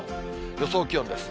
予想気温です。